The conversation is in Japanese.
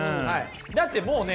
だってもうね